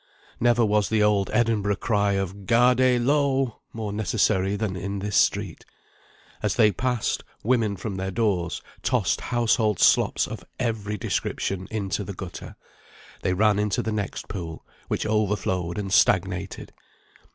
Never was the Old Edinburgh cry of "Gardez l'eau" more necessary than in this street. As they passed, women from their doors tossed household slops of every description into the gutter; they ran into the next pool, which overflowed and stagnated.